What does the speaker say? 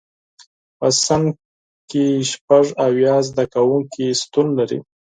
په صنف کې شپږ اویا زده کوونکي شتون لري.